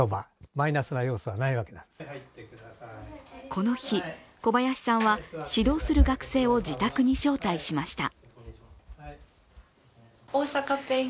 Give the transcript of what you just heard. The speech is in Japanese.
この日、小林さんは指導する学生を自宅に招待しました。